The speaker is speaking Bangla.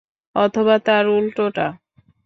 অথবা তার উল্টোটা।